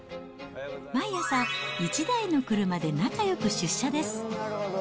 毎朝、１台の車で仲よく出社です。